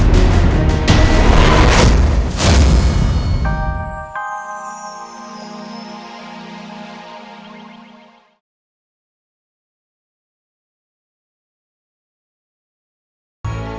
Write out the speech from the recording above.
kenapa gak jatuh ya